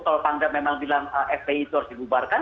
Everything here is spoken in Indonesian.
kalau pangdam memang bilang fpi itu harus dibubarkan